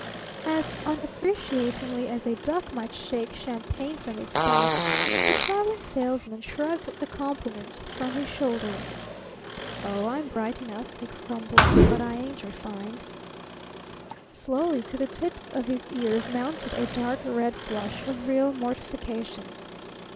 As unappreciatingly as a duck might shake champagne from its back, the Traveling Salesman shrugged the compliment from his shoulders. "Oh, I'm bright enough," he grumbled, "but I ain't refined." Slowly to the tips of his ears mounted a dark red flush of real mortification.